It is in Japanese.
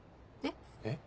えっ？